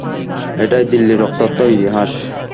এটাই দিল্লির রক্তাক্ত ইতিহাস।